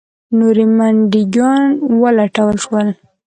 نور منډیي ګان ولټول شول.